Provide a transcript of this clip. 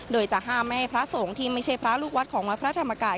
โดยจะห้ามไม่ให้พระสงฆ์ที่ไม่ใช่พระลูกวัดของวัดพระธรรมกาย